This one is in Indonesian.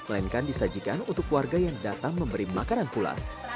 melainkan disajikan untuk warga yang datang memberi makanan pula